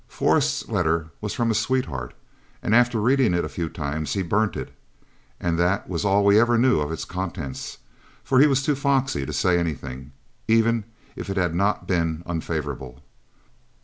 Forrest's letter was from a sweetheart, and after reading it a few times, he burnt it, and that was all we ever knew of its contents, for he was too foxy to say anything, even if it had not been unfavorable.